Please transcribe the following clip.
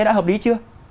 đã hợp lý chưa